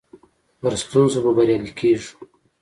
پر ستونزو به بريالي کيږو.